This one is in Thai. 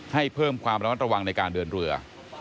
ให้เพิ่มความระมัดระวังในการเดินเรือ